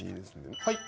はい。